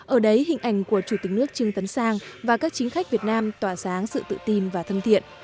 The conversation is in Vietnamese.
ở đấy hình ảnh của chủ tịch nước trương tấn sang và các chính khách việt nam tỏa sáng sự tự tin và thân thiện